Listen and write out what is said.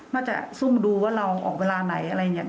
ว่าจะซุ่มดูว่าเราออกเวลาไหนอะไรอย่างนี้